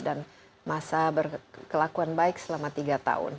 dan masa berkelakuan baik selama tiga tahun